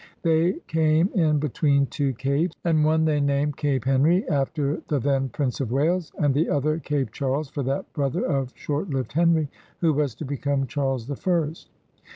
They came in between two capes, and one they named Cape Henry after the then Prince of Wales, and the other Cape Charles for that brother of short lived Henry who was to become Charles the First.